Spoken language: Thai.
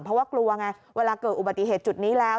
เพราะว่ากลัวไงเวลาเกิดอุบัติเหตุจุดนี้แล้ว